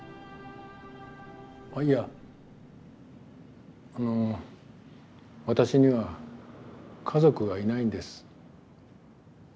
いやあの私には家族がいないんです。